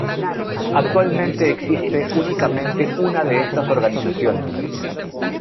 Actualmente existe únicamente una de estas organizaciones.